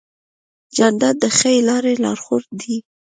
جانداد د ښې لارې لارښود دی.